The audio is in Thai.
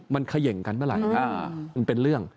มันเขย่งกันเมื่อไหร่มันเป็นเรื่อง